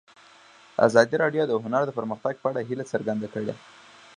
ازادي راډیو د هنر د پرمختګ په اړه هیله څرګنده کړې.